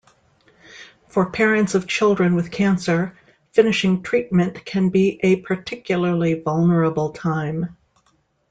For parents of children with cancer, finishing treatment can be a particularly vulnerable time.